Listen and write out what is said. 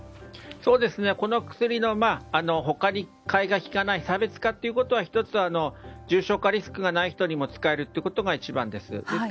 この薬の他に替えがきかない差別化ということは、１つは重症化リスクがない人にも使えるということが一番です。